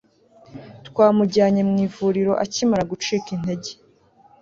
twamujyanye mu ivuriro akimara gucika intege